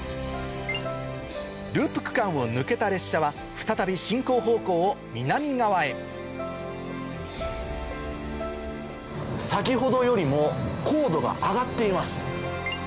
ループ区間を抜けた列車は再び進行方向を南側へ先ほどよりも高度が上がっています。